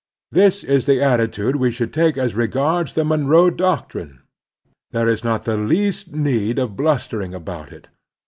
This is the attitude we should take as regards the Monroe Doctrine. There is not the least need of blustering about it.